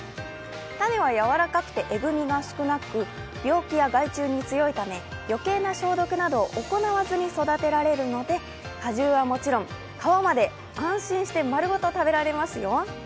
種は柔らかくてえぐみが少なく、病気や害虫に強いため、余計な消毒などを行わずに育てられるので、果汁はもちろん、皮まで安心して丸ごと食べられますよ。